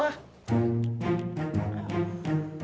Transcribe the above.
saya akan mencari si ipa